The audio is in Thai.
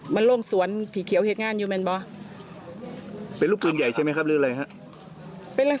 เป็นลักษณะลูกปืนแบบไหนลูกปืนใหญ่หรือเปล่า